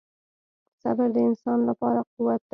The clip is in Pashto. • صبر د انسان لپاره قوت دی.